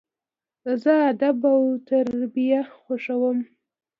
زه ادب او تربیه خوښوم.